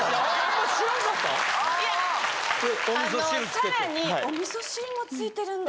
さらにお味噌汁もついてるんだ。